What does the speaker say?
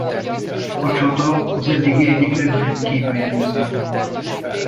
A csata az addigi egyik legnagyobb kínai győzelem volt.